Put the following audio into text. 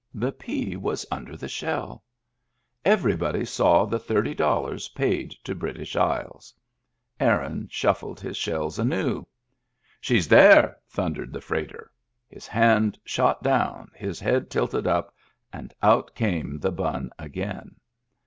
The pea was under the shell. Everybody saw the thirty dollars paid to British Isles. Aaron shuffled his shells anew. " She's there !" thundered the freighter. His hand shot down, his head tilted up, and out came the bun again.